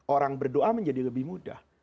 orang berdoa menjadi lebih mudah